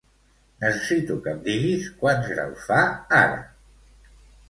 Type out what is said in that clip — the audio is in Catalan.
Necessito que em diguis quants graus fa ara.